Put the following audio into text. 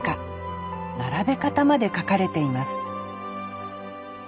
並べ方まで書かれています